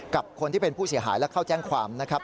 กับคนที่เป็นผู้เสียหายและเข้าแจ้งความนะครับ